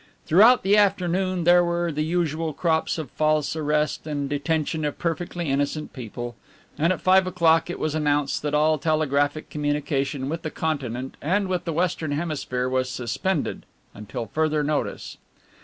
Throughout the afternoon there were the usual crops of false arrest and detention of perfectly innocent people, and at five o'clock it was announced that all telegraphic communication with the Continent and with the Western Hemisphere was suspended until further notice.